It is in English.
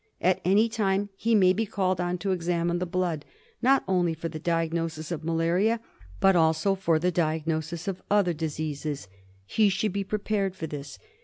At any time he may be called on to examine the blood, not only for the diagno sis of malaria, but also for the diagnosis of other diseases. He should be prepared for this.